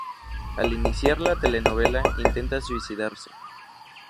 Al iniciar la telenovela, intenta suicidarse.